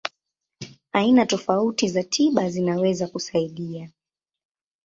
Aina tofauti za tiba zinaweza kusaidia.